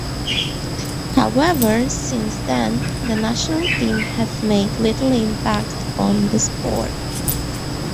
However, since then the national team has made little impact on the sport.